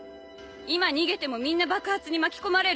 今逃げてもみんな爆発に巻き込まれる。